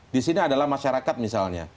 disini adalah masyarakat misalnya